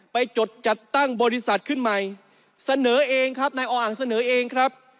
จดจัดตั้งบริษัทขึ้นใหม่เสนอเองครับนายออ่างเสนอเองครับ